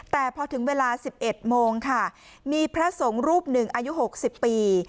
แต่พอถึงเวลา๑๑โมงค่ะมีพระสงฆ์รูปหนึ่งอายุ๖๐ปี